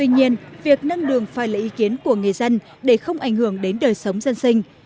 nhiên việc nâng đường phải là ý kiến của người dân để không ảnh hưởng đến đời sống dân sinh